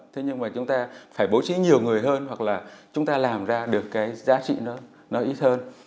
thế nhưng mà chúng ta phải bố trí nhiều người hơn hoặc là chúng ta làm ra được cái giá trị nó ít hơn